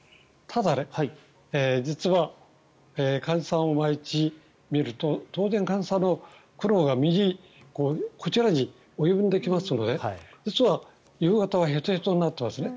ただ患者さんを毎日診ると当然、患者さんの苦労がこちらに及んできますので実は夕方はへとへとになっちゃうんですね。